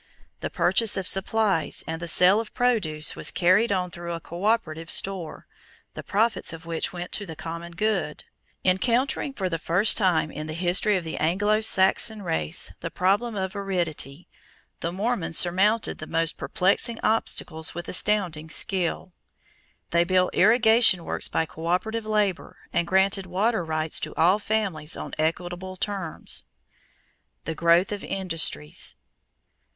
The purchase of supplies and the sale of produce were carried on through a coöperative store, the profits of which went to the common good. Encountering for the first time in the history of the Anglo Saxon race the problem of aridity, the Mormons surmounted the most perplexing obstacles with astounding skill. They built irrigation works by coöperative labor and granted water rights to all families on equitable terms. _The Growth of Industries.